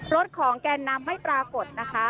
รถของแกนนำไม่ปรากฏนะคะ